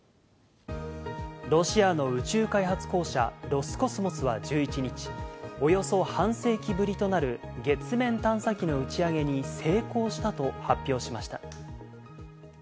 ロシアの宇宙開発公社・ロスコスモスは１１日、およそ半世紀ぶりとなる月面探査機の打ち上げに成功したと発表しました。